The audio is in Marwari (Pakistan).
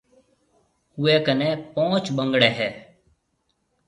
اوَي ڪنَي پونچ ٻنگڙَي هيَ۔